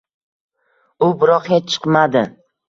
U biroq hech chiqmadi.